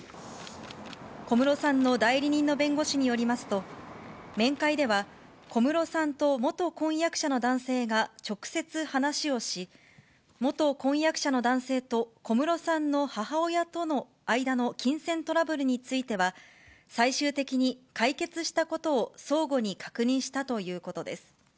小室さんの代理人の弁護士によりますと、面会では、小室さんと元婚約者の男性が直接話をし、元婚約者の男性と小室さんの母親との間の金銭トラブルについては、最終的に解決したことを相互に確認したということです。